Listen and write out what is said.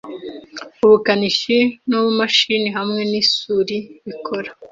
ubukanishi nubumashini hamwe nisuri bikora